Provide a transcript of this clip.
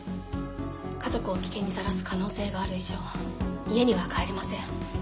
家族を危険にさらす可能性がある以上家には帰れません。